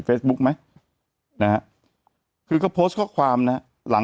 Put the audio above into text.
แต่หนูจะเอากับน้องเขามาแต่ว่า